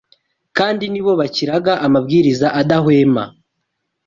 kandi ni bo bakiraga amabwiriza adahwema